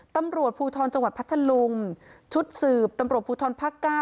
ตำรวจภูทรจังหวัดพัทธลุงชุดสืบตำรวจภูทรภาค๙